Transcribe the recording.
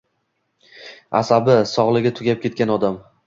Asabi, sog‘lig‘i tugab kelgan odam.